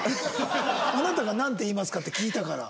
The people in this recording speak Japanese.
あなたが「なんて言いますか？」って聞いたから。